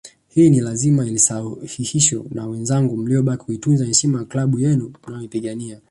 Hili ni lazima lisahihishwe na wenzangu mliobaki kuitunza heshima ya klabu yenu mnayoipigania